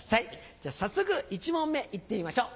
じゃあ早速１問目いってみましょう。